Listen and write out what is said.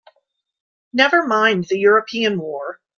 Never mind the European war!